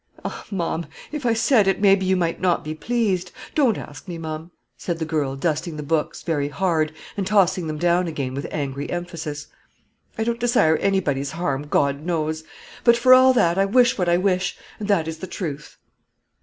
"Ah! Ma'am, if I said it, maybe you might not be pleased. Don't ask me, ma'am," said the girl dusting the books very hard, and tossing them down again with angry emphasis. "I don't desire anybody's harm, God knows; but, for all that, I wish what I wish, and that is the truth."